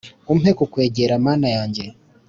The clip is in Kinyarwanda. Umpe kukwegera mana yanjye